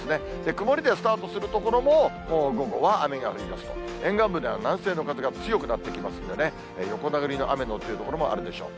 曇りでスタートする所も、午後は雨が降りだすと、沿岸部では南西の風が強くなってきますんでね、横殴りの雨になる所もあるでしょう。